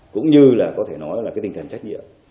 cũng như là có thể nói là cái tinh thần trách nhiệm